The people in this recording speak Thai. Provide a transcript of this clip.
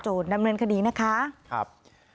ยืดมือมาเซ่นหนึ่ง